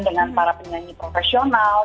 dengan para penyanyi profesional